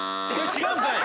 違うんかい！